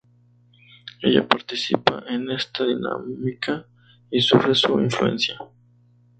Ella participa en esta dinámica y sufre su influencia.